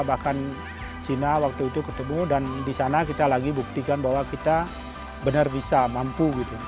bahkan china waktu itu ketemu dan di sana kita lagi buktikan bahwa kita benar bisa mampu gitu